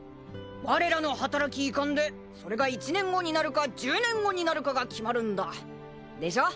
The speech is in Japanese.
「われらの働きいかんでそれが１年後になるか１０年後になるかが決まるんだ」でしょ？